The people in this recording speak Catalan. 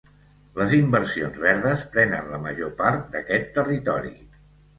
Les inversions verdes prenen la major part d'aquest territori.